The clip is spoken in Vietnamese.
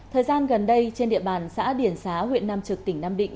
thời gian gần đây trên địa bàn xã điển xá huyện nam trực tỉnh nam định